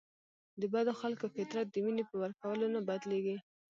د بدو خلکو فطرت د مینې په ورکولو نه بدلیږي.